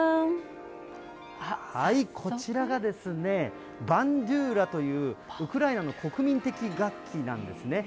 はい、こちらがですね、バンドゥーラという、ウクライナの国民的楽器なんですね。